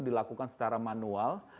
dilakukan secara manual